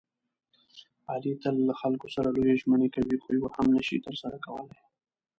علي تل له خلکو سره لویې ژمنې کوي، خویوه هم نشي ترسره کولی.